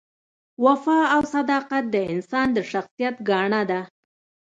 وفا او صداقت د انسان د شخصیت ګاڼه ده.